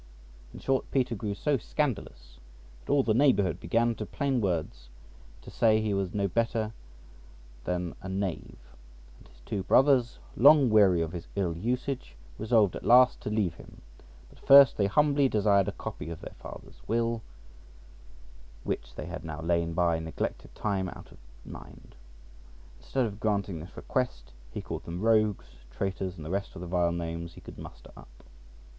In short, Peter grew so scandalous that all the neighbourhood began in plain words to say he was no better than a knave; and his two brothers, long weary of his ill usage, resolved at last to leave him; but first they humbly desired a copy of their father's will, which had now lain by neglected time out of mind. Instead of granting this request, he called them rogues, traitors, and the rest of the vile names he could muster up.